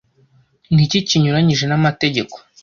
Niki kinyuranyije n amategeko